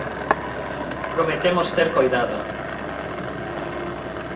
Prometemos ter coidado.